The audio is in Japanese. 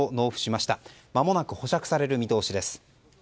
まもなく保釈される見通しです。